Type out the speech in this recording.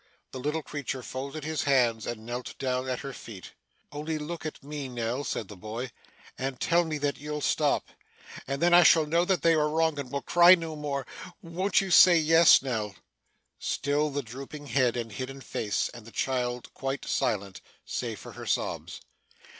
The little creature folded his hands, and knelt down at her feet. 'Only look at me, Nell,' said the boy, 'and tell me that you'll stop, and then I shall know that they are wrong, and will cry no more. Won't you say yes, Nell?' Still the drooping head and hidden face, and the child quite silent save for her sobs.